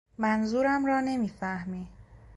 منظورم را نمی فهمی.